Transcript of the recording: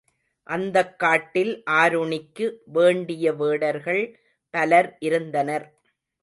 அந்தக் காட்டில் ஆருணிக்கு வேண்டிய வேடர்கள் பலர் இருந்தனர்.